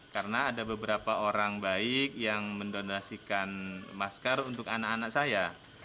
karena ada beberapa orang baik yang mendonasikan masker untuk anak anak saya